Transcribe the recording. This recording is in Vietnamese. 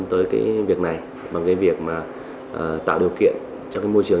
tới cái việc này bằng cái việc mà tạo điều kiện cho cái môi trường